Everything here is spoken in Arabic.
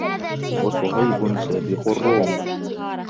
وَصُهَيْبٌ سَابِقُ الرُّومَ